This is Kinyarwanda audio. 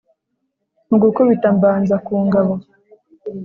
mu gukubita mbanza ku ngabo